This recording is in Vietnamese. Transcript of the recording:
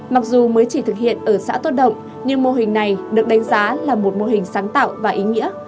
mặc dù mới chỉ thực hiện ở xã tốt động nhưng mô hình này được đánh giá là một mô hình sáng tạo và ý nghĩa